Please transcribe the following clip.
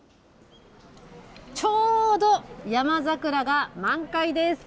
ちょうどヤマザクラが満開です。